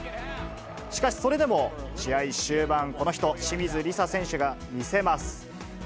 しかしそれでも、試合終盤、この人、清水梨紗選手が見せます。